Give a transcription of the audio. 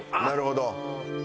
なるほど。